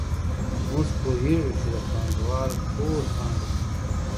موږ پوهېږو چې د پانګوال ټوله پانګه ترکیبي ده